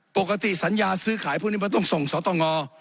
ปกติสัญญาซื้อขายพวกนี้มันต้องส่งสตง